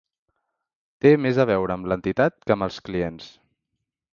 Té més a veure amb l’entitat que amb els clients.